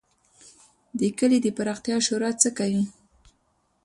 د کلي د پراختیا شورا څه کوي؟